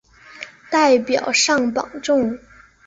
代表上榜中